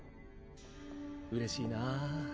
うれしいなぁ。